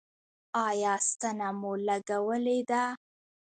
ایا ستنه مو لګولې ده؟